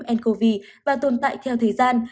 trong khi nhiễm covid một mươi chín và tồn tại theo thời gian